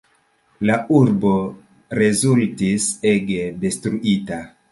La urbo rezultis ege detruita.